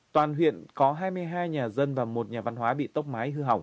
toàn huyện có hai mươi hai nhà dân và một nhà văn hóa bị tốc máy